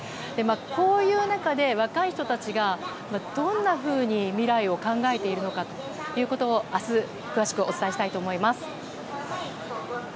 こういう中で、若い人たちがどんなふうに未来を考えているのかということを明日詳しくお伝えしたいと思います。